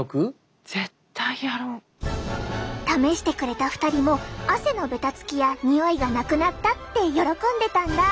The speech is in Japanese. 試してくれた２人も汗のベタつきやにおいがなくなったって喜んでたんだ！